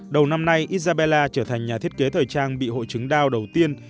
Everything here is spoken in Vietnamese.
đầu năm nay isabella trở thành nhà thiết kế thời trang bị hội chứng đau đầu tiên